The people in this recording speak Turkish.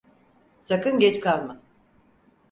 Sakın geç kalma.